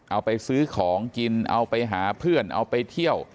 เอาไปซื้อของกินเอาไปหาเพื่อนเอาไปเที่ยว